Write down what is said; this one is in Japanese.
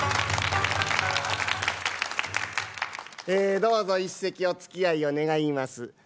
ええどうぞ一席おつきあいを願います。